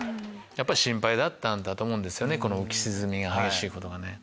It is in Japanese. やっぱ心配だったんだと思う浮き沈みが激しいことがね。